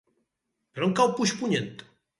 Per on cau Puigpunyent?